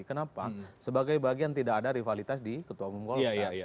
kenapa sebagai bagian tidak ada rivalitas di ketua umum golkar